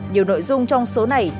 nhiều nội dung trong số này